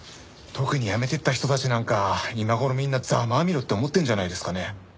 特に辞めてった人たちなんか今頃みんなざまあみろって思ってるんじゃないですかね。